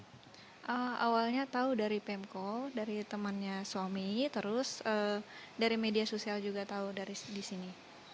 saya awalnya tahu dari pemko dari temannya suami terus dari media sosial juga tahu dari di sini